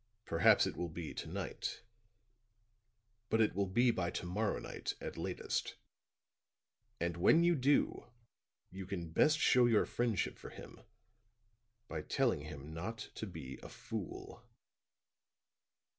"Perhaps it will be to night; but it will be by to morrow night at latest. And when you do you can best show your friendship for him by telling him not to be a fool."